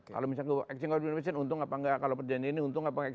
kalau misalnya singapura dihitung untung apa enggak kalau perjanjian ini untung apa enggak